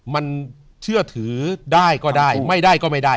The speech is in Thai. มันเชื่อถือได้ก็ได้ไม่ได้ก็ไม่ได้